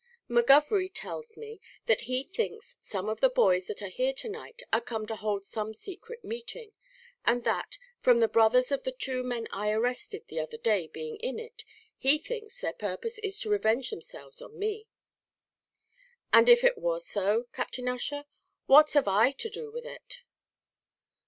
"McGovery tells me that he thinks some of the boys that are here to night are come to hold some secret meeting; and that, from the brothers of the two men I arrested the other day being in it, he thinks their purpose is to revenge themselves on me." "And if it war so, Captain Ussher, what have I to do with it?"